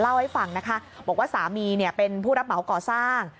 เล่าให้ฟังนะคะบอกว่าสามีเป็นผู้รับเหมาก่อสร้าง